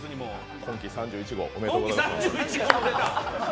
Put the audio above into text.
今季３１号、おめでとうございます。